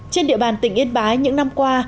trên địa bàn tỉnh yên bái những năm qua